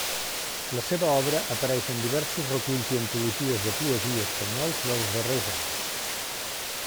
La seva obra apareix en diversos reculls i antologies de poesia espanyols dels darrers anys.